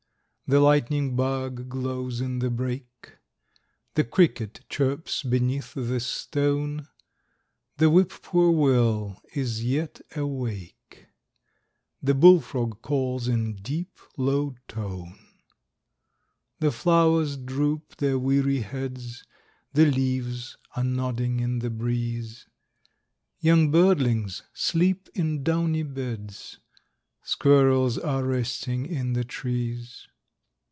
The lightning bug glows in the brake; The cricket chirps beneath the stone; The whip poor will is yet awake, The bull frog calls in deep, low tone. The flowers droop their weary heads, The leaves are nodding in the breeze; Young birdlings sleep in downy beds; Squirrels are resting in the trees.